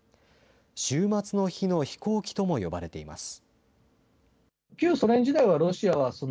終末の日の飛行機とも呼ばれています。